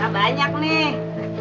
tak banyak nih